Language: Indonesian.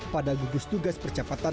pada gugus tugas percapaian